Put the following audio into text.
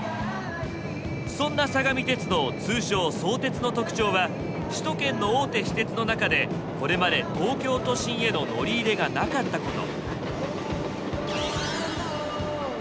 そんな相模鉄道通称相鉄の特徴は首都圏の大手私鉄の中でこれまで東京都心への乗り入れがなかったこと。